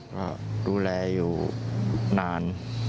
ก็ดูแลอยู่นาน